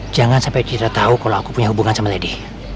jangan sampai kita tahu kalau aku punya hubungan sama lady